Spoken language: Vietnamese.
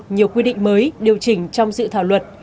nhiều quy định mới điều chỉnh trong dự thảo luật